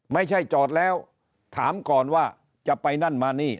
ไม่ใช่จอดแล้วถามก่อนว่าจะไปนั่นมานี่